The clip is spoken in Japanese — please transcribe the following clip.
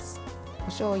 おしょうゆ。